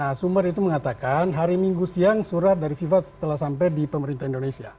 nah sumber itu mengatakan hari minggu siang surat dari fifa telah sampai di pemerintah indonesia